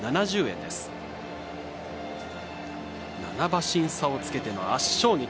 ７馬身差をつけての圧勝劇。